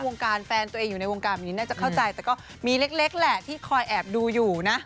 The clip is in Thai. วงการแฟนตัวเองอยู่ในวงการแบบนี้น่าจะเข้าใจแต่ก็มีเล็กแหละที่คอยแอบดูอยู่นะ